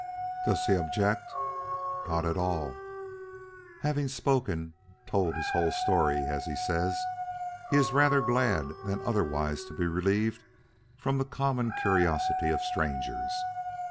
"Does he object?" "Not at all. Having spoken told his whole story, as he says he is rather glad than otherwise to be relieved from the common curiosity of strangers.